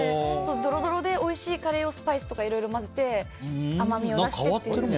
ドロドロでおいしいカレーをスパイスとかいろいろ混ぜて甘みを出してという。